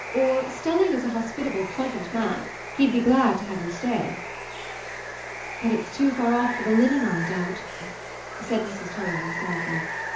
Or—Stelling is a hospitable, pleasant man—he'd be glad to have you stay." "But it's too far off for the linen, I doubt," said Mrs Tulliver, sadly.